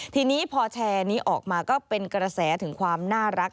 ทีนี้พอแชร์นี้ออกมาก็เป็นกระแสถึงความน่ารัก